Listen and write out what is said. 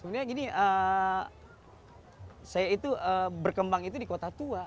sebenarnya gini saya itu berkembang itu di kota tua